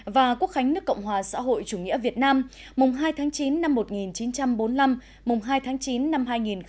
và quốc khánh nước cộng hòa xã hội chủ nghĩa việt nam mùng hai tháng chín năm một nghìn chín trăm bốn mươi năm mùng hai tháng chín năm hai nghìn hai mươi